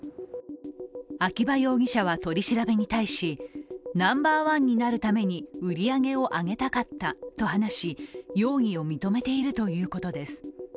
秋葉容疑者は取り調べに対し、ナンバーワンになるために売り上げを上げたかったと話し容疑を認めているということです。